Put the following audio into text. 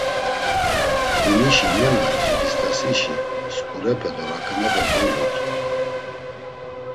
Hinişi nena Cibist̆asişi sǩurepe do raǩanepe gongutu.